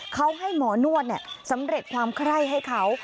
เขาให้หมอนวดสำเร็จความไคร้ให้เขา